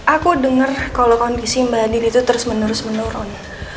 aku denger kalau kondisi mbak andi terus menerus menurun